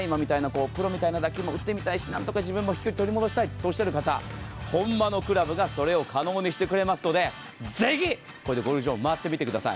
プロみたいな打球も打ってみたいし、何とか自分も飛距離を取り戻したい方、本間のクラブがそれを可能にしてくれますので、ぜひこれでゴルフ場を回ってみてください。